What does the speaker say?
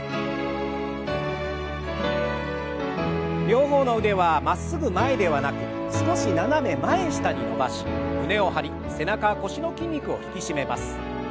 両方の腕はまっすぐ前ではなく少し斜め前下に伸ばし胸を張り背中腰の筋肉を引き締めます。